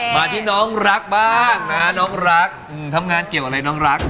มาที่น้องรักบ้างนะน้องรักทำงานเกี่ยวอะไรน้องรัก